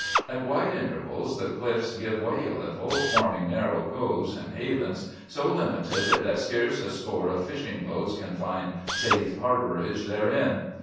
"At wide intervals the cliffs give way a little, forming narrow coves and havens, so limited that scarce a score of fishing boats can find safe harborage therein.